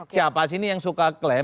siapa sini yang suka klaim